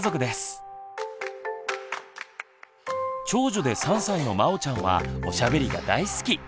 長女で３歳のまおちゃんはおしゃべりが大好き。